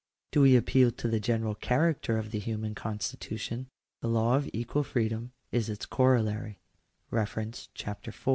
Do we appeal to the general character of the human constitution ? the law of equal freedom is its corollary (Chap. IY).